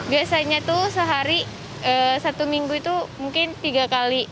biasanya tuh sehari satu minggu itu mungkin tiga kali